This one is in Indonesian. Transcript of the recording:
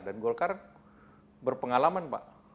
dan golkar berpengalaman pak